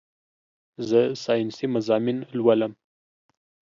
زه سائنسي مضامين لولم